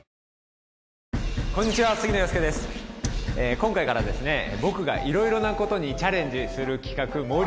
今回から僕がいろいろなことにチャレンジする企画。